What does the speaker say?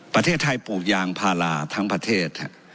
ประเทศไทยปลูกยางพาราทั้งประเทศ